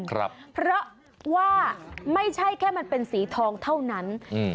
ครับเพราะว่าไม่ใช่แค่มันเป็นสีทองเท่านั้นอืม